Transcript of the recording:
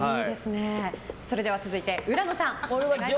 それでは続いて、浦野さん。